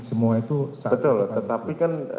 semua itu betul tetapi kan